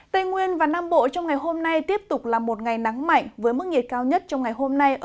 tây nguyên và nam bộ trong ngày hôm nay tiếp tục là một ngày nắng mạnh với mức nhiệt cao nhất trong ngày hôm nay